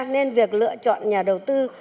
nên việc lựa chọn nhà đầu tư